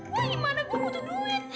wah gimana gue butuh duit